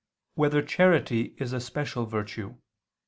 4] Whether Charity Is a Special Virtue?